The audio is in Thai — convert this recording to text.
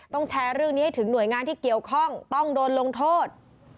แชร์เรื่องนี้ให้ถึงหน่วยงานที่เกี่ยวข้องต้องโดนลงโทษ